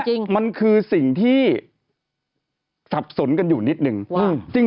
อันนี้มันคือสิ่งที่สับสนกันอยู่นิดนึง